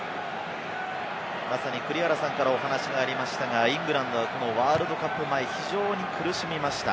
栗原さんから、お話がありましたが、イングランドはこのワールドカップ前、非常に苦しみました。